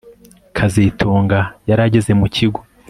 kazitunga yari ageze mu kigo